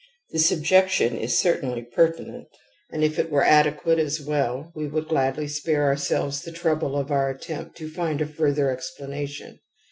This objection is certainly pertinent and if it | were adequate as well we would gladly spare ) ourselves the trouble of our attempt to find a further explanation.